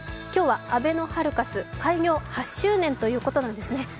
今日はあべのハルカス、開業８周年ということなんですね。